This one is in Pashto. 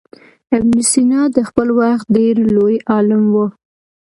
ابن سینا د خپل وخت ډېر لوی عالم و.